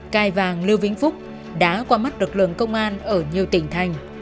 cai vàng lưu vĩnh phúc đã qua mắt lực lượng công an ở nhiều tỉnh thành